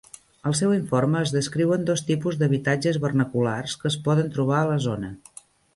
Al seu informe es descriuen dos tipus d'habitatges vernaculars que es poden trobar a la zona.